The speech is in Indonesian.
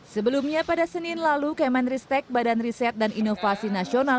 sebelumnya pada senin lalu kemenristek badan riset dan inovasi nasional